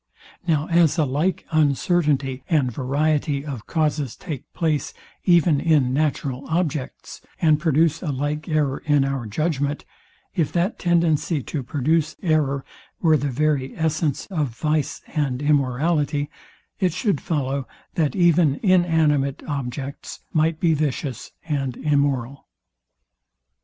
Now, as a like uncertainty and variety of causes take place, even in natural objects, and produce a like error in our judgment, if that tendency to produce error were the very essence of vice and immorality, it should follow, that even inanimate objects might be vicious and immoral.